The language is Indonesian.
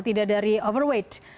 tidak dari overweight